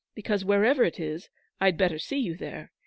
because, where ever it is, Fd better see you there.